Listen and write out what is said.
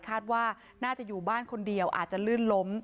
คาดว่าน่าจะอยู่บ้านคนเดียวอาจจะลื่นล้ม